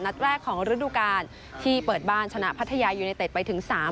แรกของฤดูกาลที่เปิดบ้านชนะพัทยายูเนเต็ดไปถึง๓๐